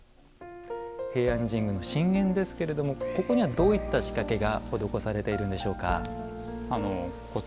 平安神宮の神苑ですけれどもここにはどういった仕掛けが施されているんでしょうか。